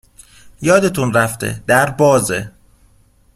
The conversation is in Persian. یادتون رفته، در بازه.